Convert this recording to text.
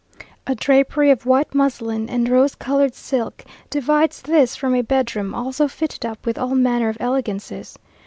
A drapery of white muslin and rose coloured silk divides this from a bedroom, also fitted up with all manner of elegances.